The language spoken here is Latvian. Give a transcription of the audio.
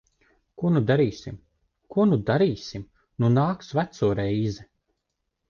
Ko nu darīsim? Ko nu darīsim? Nu nāks veco reize.